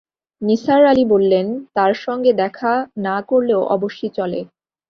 নিসার আলি বললেন, তাঁর সঙ্গে দেখা না করলেও অবশ্যি চলে।